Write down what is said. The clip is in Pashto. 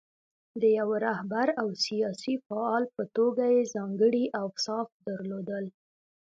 د یوه رهبر او سیاسي فعال په توګه یې ځانګړي اوصاف درلودل.